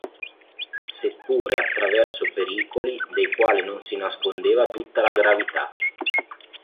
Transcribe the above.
Seppure attraverso pericoli dei quali non si nascondeva tutta la gravità.